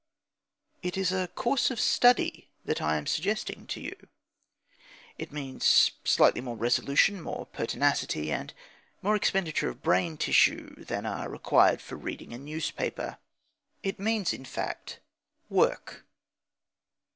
It is a course of study that I am suggesting to you. It means a certain amount of sustained effort. It means slightly more resolution, more pertinacity, and more expenditure of brain tissue than are required for reading a newspaper. It means, in fact, "work."